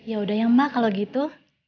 yaudah ya mbak kalau gitu